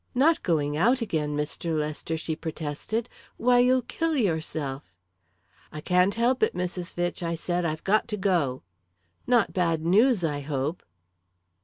"Not going out again, Mr. Lester!" she protested. "Why, you'll kill yourself." "I can't help it, Mrs. Fitch," I said. "I've got to go." "Not bad news, I hope?"